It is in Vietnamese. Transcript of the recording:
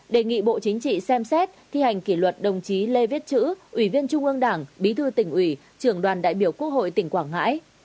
đề nghị bộ chính trị xem xét thi hành kỷ luật đồng chí lê viết chữ ủy viên trung ương đảng bí thư tỉnh ủy trưởng đoàn đại biểu quốc hội tỉnh quảng ngãi